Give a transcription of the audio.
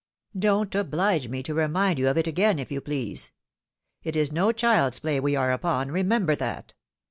Don't obhge me to remind you of it again, if you please. It is no child's play we are upon, remember that.